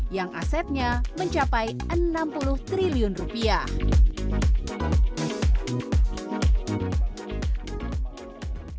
yang asetnya mencapai enam puluh triliun rupiah